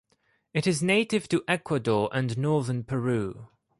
It is native to Ecuador and northern Peru.